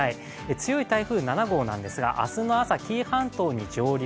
強い台風７号なんですが明日の朝、紀伊半島に上陸。